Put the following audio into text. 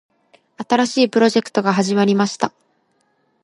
新しいプロジェクトが始まりました。